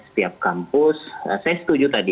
setiap kampus saya setuju tadi